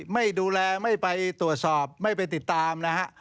ไม่ดูแลไม่ไปตรวจสอบไม่ไปติดตามนะฮะ